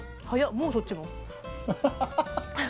もうそっちも？